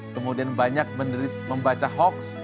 kemudian banyak membaca hoax